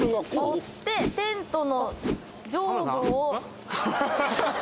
折ってテントの上部をん？